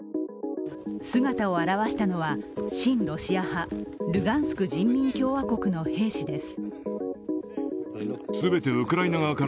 姿を現したのは親ロシア派ルガンスク人民共和国の兵士です。